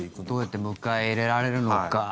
どうやって迎え入れられるのか。